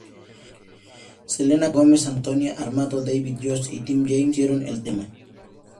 Selena Gomez, Antonina Armato, David Jost y Tim James compusieron el tema.